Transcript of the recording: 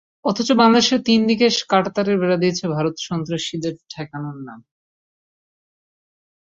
অথচ বাংলাদেশের তিন দিকে কাঁটাতারের বেড়া দিয়েছে ভারত সন্ত্রাসীদের ঠেকানোর নামে।